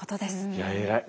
いや偉い。